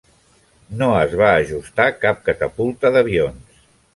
No es va ajustar cap catapulta d'avions.